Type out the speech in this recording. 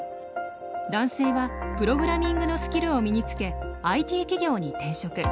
男性はプログラミングのスキルを身につけＩＴ企業に転職。